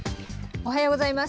おはようございます。